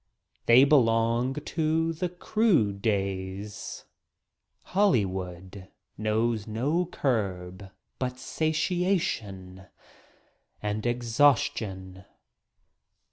They belong to the crude days. Hollywood knows no curb but satiation and ex haustion.